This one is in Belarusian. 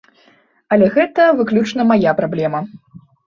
Але гэта выключна мая праблема.